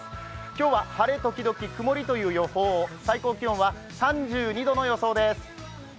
今日は晴れ時々曇りという予報、最高気温は３２度の予想です。